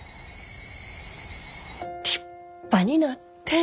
立派になって。